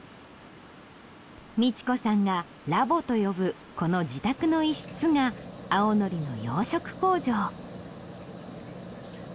満子さんがラボと呼ぶこの自宅の一室が青のりの養殖工場。